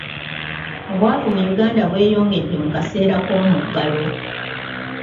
Obwavu mu Uganda bweyongera mu kaseera k'omuggalo.